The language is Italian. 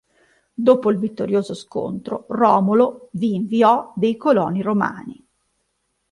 Dopo il vittorioso scontro Romolo vi inviò dei coloni romani.